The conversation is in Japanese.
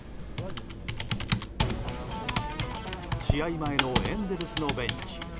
試合前のエンゼルスのベンチ。